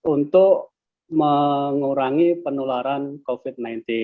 untuk mengurangi penularan covid sembilan belas